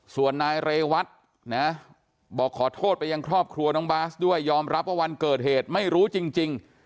ส่วนนายเรวัตนะบอกขอโทษไปยังครอบครัวน้องบาสด้วยยอมรับว่าวันเกิดเหตุไม่รู้จริง